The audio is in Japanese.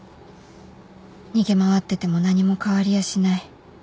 逃げ回ってても何も変わりやしない